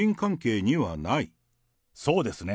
そうですね。